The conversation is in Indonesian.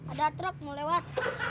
ada truk mau lewat